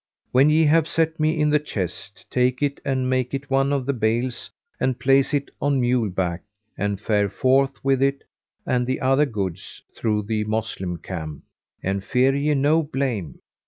When ye have set me in the chest, take it and make it one of the bales and place it on mule back and fare forth with it and the other goods through the Moslem camp, and fear ye no blame.